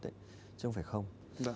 chứ không phải không